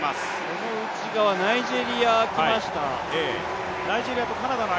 この内側、ナイジェリア、来ました。